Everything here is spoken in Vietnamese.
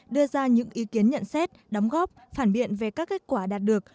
đưa ra những ý kiến nhận xét đóng góp phản biện về các kết quả đạt được